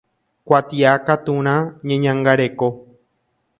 Kuatiakaturã Ñeñangareko.